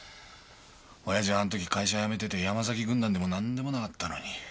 親父はあの時会社辞めてて山崎軍団でも何でもなかったのに。